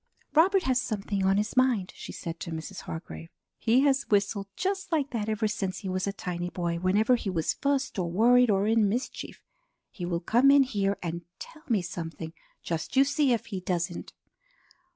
"Robert has something on his mind," she said to Mrs. Hargrave. "He has whistled just like that ever since he was a tiny boy whenever he was fussed or worried or in mischief. He will come in here and tell me something; just you see if he doesn't.